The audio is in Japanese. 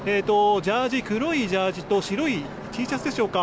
黒いジャージーと白いＴシャツでしょうか。